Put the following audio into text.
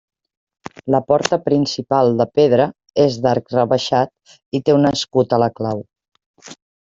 La porta principal, de pedra, és d'arc rebaixat i té un escut a la clau.